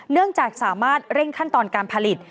เนื่องจากสามารถเร่งขั้นตอนการผลิต